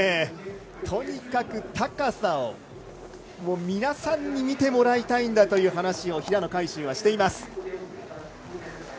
とにかく高さを、皆さんに見てもらいたいんだという話を平野海祝はしています。